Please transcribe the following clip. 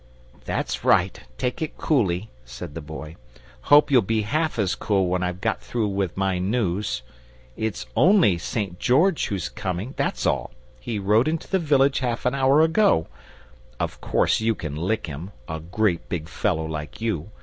"That's right, take it coolly," said the Boy. "Hope you'll be half as cool when I've got through with my news. It's only St. George who's coming, that's all; he rode into the village half an hour ago. Of course you can lick him a great big fellow like you!